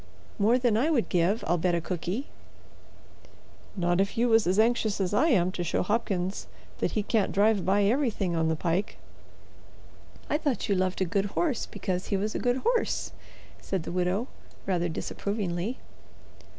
"More than I would give, I'll bet a cookie." "Not if you was as anxious as I am to show Hopkins that he can't drive by everything on the pike." "I thought you loved a good horse because he was a good horse," said the widow, rather disapprovingly.